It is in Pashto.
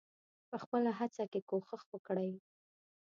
په خپله هڅه کې کوښښ وکړئ.